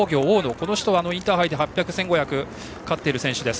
この人はインターハイで８００、１５００で勝っている選手です。